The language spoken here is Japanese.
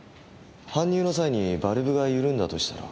搬入の際にバルブが緩んだとしたら。